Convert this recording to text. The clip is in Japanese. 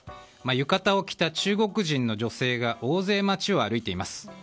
浴衣を着た中国人の女性が大勢、街を歩いています。